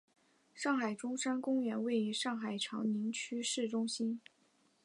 上海中山公园位于上海长宁区市中心。